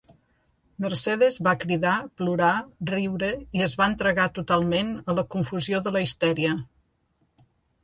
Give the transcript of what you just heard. Mercedes va cridar, plorar, riure i es va entregar totalment a la confusió de la histèria.